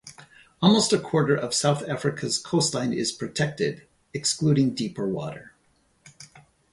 Almost a quarter of South Africa's coast line is protected, excluding deeper water.